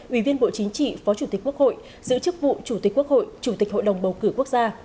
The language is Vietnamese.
ủy viên bộ chính trị phó chủ tịch quốc hội giữ chức vụ chủ tịch quốc hội chủ tịch hội đồng bầu cử quốc gia